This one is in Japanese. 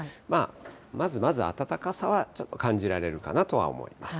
まずまず暖かさは、ちょっと感じられるかなとは思います。